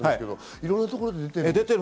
いろいろなところで出ている。